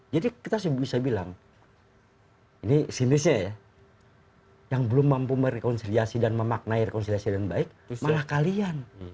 jadi kita bisa bilang ini sinisnya ya yang belum mampu merekonisiasi dan memaknai rekonisiasi dengan baik malah kalian